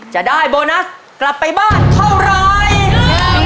จะได้โบนัสกลับไปบ้านเท่าไร